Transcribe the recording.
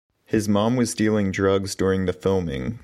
His mom was dealing drugs during the filming.